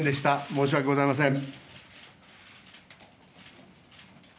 申し訳ございません。